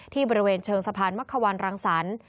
บริเวณเชิงสะพานมักขวานรังสรรค์